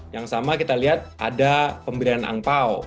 yang sama kita lihat ada pemberian angpao